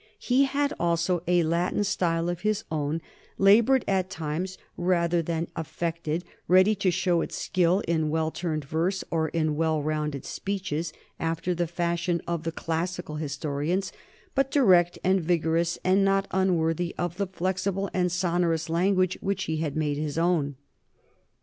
He had also a Latin style of his own, labored at times rather than affected, ready to show its skill in well turned verse or in well rounded speeches after the fashion of the classical his torians, but direct and vigorous and not unworthy of the flexible and sonorous language which he had made his own.